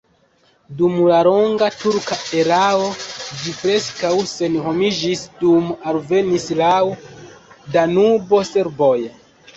Dum la longa turka erao ĝi preskaŭ senhomiĝis, dume alvenis laŭ Danubo serboj.